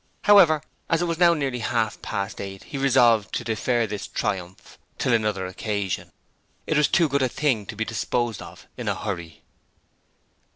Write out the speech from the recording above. However, as it was now nearly half past eight, he resolved to defer this triumph till another occasion. It was too good a thing to be disposed of in a hurry.